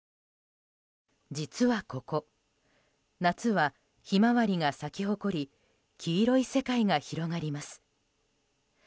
実は、ここ夏はひまわりが咲き誇り黄色い世界が広がります。